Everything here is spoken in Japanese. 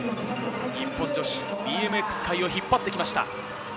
日本女子ＢＭＸ界を引っ張ってきました。